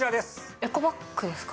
エコバッグですか。